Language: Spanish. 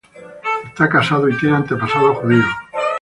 Está casado, y tiene antepasados judíos.